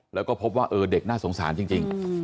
แล้วก็พบว่าเด็กน่าสงสารจริง